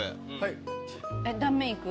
断面いく？